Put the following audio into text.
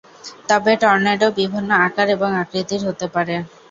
তবে টর্নেডো বিভিন্ন আকার এবং আকৃতির হতে পারে।